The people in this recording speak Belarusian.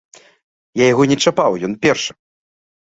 Я яго не чапаў, ён першы.